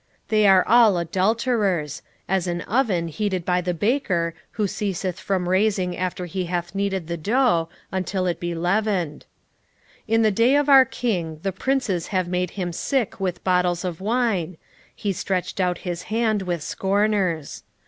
7:4 They are all adulterers, as an oven heated by the baker, who ceaseth from raising after he hath kneaded the dough, until it be leavened. 7:5 In the day of our king the princes have made him sick with bottles of wine; he stretched out his hand with scorners.